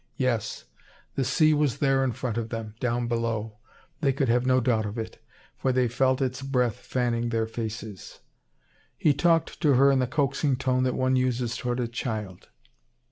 Yes, the sea was there in front of them, down below. They could have no doubt of it, for they felt its breath fanning their faces. He talked to her in the coaxing tone that one uses toward a child.